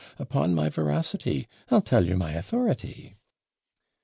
upon my veracity! I'll tell you my authority!'